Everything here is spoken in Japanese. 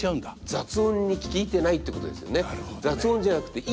雑音に聞いてないってことですよね。